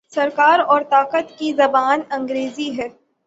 سرکار اور طاقت کی زبان انگریزی ہے۔